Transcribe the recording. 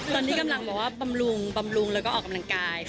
ตอนนี้กำลังบอกว่าปำรุงแล้วออกกำลังกาย